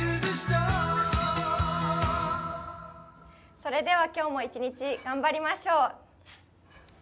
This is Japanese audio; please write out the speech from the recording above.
それでは今日も一日頑張りましょう。